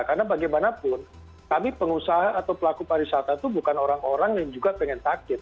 karena bagaimanapun kami pengusaha atau pelaku pariwisata itu bukan orang orang yang juga pengen takdir